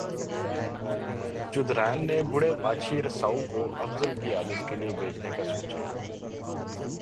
چودھرائن نے بوڑھے ماچھی رساؤ کو افضل کی عیادت کے لیے بھیجنے کا سوچا